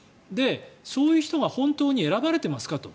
そういう人が本当に選ばれてますかと。